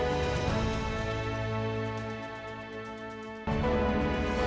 jadi kita harus mencari tahu bagaimana mereka mendapatkan title seperti itu